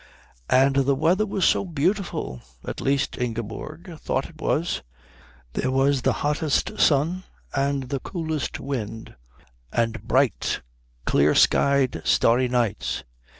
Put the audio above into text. And the weather was so beautiful at least, Ingeborg thought it was. There was the hottest sun, and the coolest wind, and bright, clear skied starry nights.